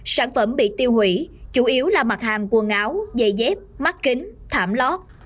sản phẩm bị tiêu hủy chủ yếu là mặt hàng quần áo giày dép mắt kính thảm lót